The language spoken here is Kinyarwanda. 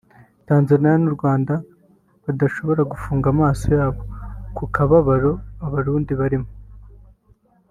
Tanzania n’u Rwanda badashobora gufunga amaso yabo ku kababaro Abarundi barimo